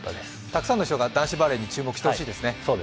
たくさんの人が男子バレーに注目してほしいですね。